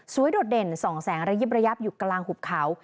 โดดเด่นส่องแสงระยิบระยับอยู่กลางหุบเขา